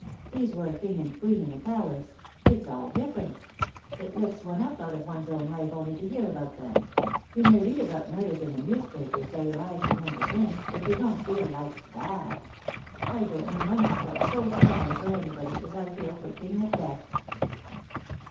These were a King and Queen in a palace. It's all different. It lifts one up out of one's own life only to hear about them. You may read about murders in the newspapers till your eyes begin to swim, THE DAY WILL COME, 37 but you won't feel like that. I don't know when I've felt so sorry for anybody as I feel for King Macbeth."